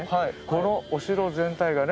このお城全体がね